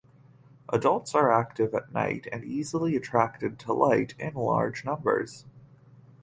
Adults are active at night and easily attracted to light in large numbers.